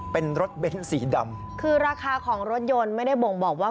เป็นรถเบ้นสีดำคือราคาของรถยนต์ไม่ได้บ่งบอกว่า